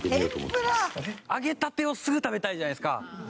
揚げたてをすぐ食べたいじゃないですか。